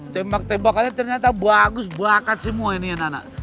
tembak tembakannya ternyata bagus bakat semua ini anak anak